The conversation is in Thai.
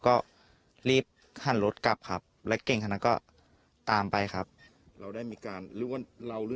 ก็รีบหั่นรถกลับครับและเกร็งครับตามไปครับ